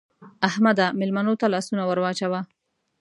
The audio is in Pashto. احمده! مېلمنو ته لاسونه ور واچوه.